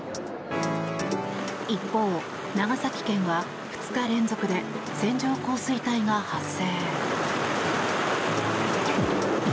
一方、長崎県は２日連続で線状降水帯が発生。